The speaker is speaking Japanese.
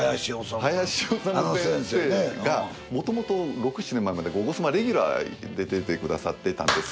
林修先生がもともと６７年前まで「ゴゴスマ」レギュラーで出てくださってたんです。